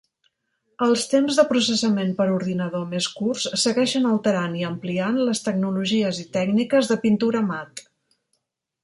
Els temps de processament per ordinador més curts segueixen alterant i ampliant les tecnologies i tècniques de pintura mat.